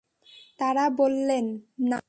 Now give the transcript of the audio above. তারা বললেন, না।